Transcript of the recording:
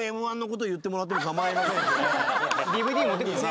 ＤＶＤ持ってくるよな。